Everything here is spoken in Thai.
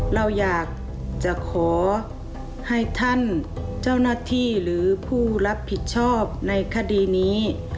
เราอยากจะขอให้ท่านเจ้าหน้าที่หรือผู้รับผิดชอบในคดีนี้